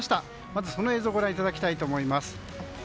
まずその映像をご覧いただきたいと思います。